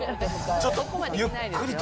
ちょっとゆっくりと。